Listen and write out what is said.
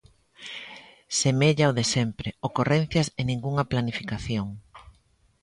Semella o de sempre: ocorrencias e ningunha planificación.